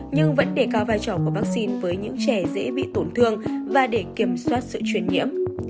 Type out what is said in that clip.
nhưng vẫn để cao vai trò của vaccine với những trẻ dễ bị tổn thương và để kiểm soát sự truyền nhiễm